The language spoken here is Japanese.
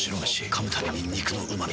噛むたびに肉のうま味。